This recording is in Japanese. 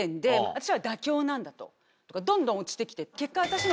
どんどん落ちてきて結果。